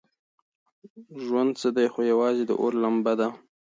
ژوند څه دی خو یوازې د اور لمبه ده.